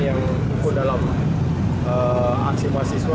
yang ikut dalam aksi mahasiswa